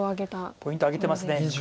ポイントを挙げてます。